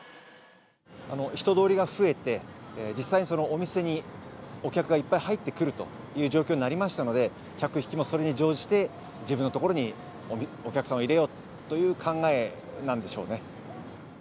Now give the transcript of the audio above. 人通りが増えて、実際にそのお店にお客がいっぱい入ってくるという状況になりましたので、客引きもそれに乗じて、自分の所にお客様を入れようという考えなんでしょうね。